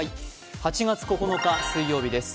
８月９日水曜日です。